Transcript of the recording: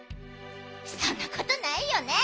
そんなことないよね。